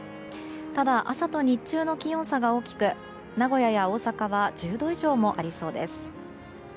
ただ、朝と日中の気温差が大きく名古屋や大阪は１０度以上もありそうです。